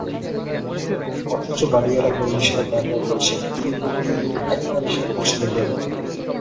অথচ বাড়িওয়ালা করিম সাহেব বারবার বলেছেন, তিনি প্রতিদিন একবার এসে খোঁজ নেবেন।